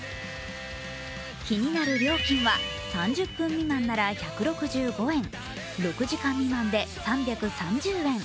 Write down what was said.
気になる料金は３０分未満なら１６５円６時間未満で３３０円。